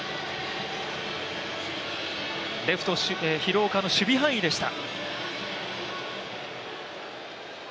レフト・廣岡の守備範囲でした。